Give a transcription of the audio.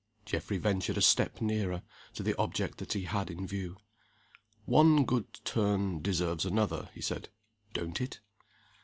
Geoffrey ventured a step nearer to the object that he had in view. "One good turn deserves another," he said, "don't it?"